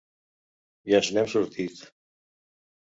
I ens n’hem sortit.